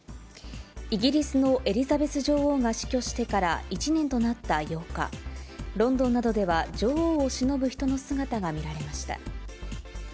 イギリスのエリザベス女王が死去してから１年となった８日、ロンドンなどでは女王をしのぶ人の姿が見られました。